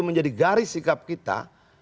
menjadi garis sikap kita